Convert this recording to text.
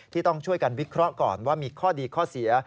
ต้องช่วยกันวิเคราะห์ก่อนว่ามีข้อดีข้อเสีย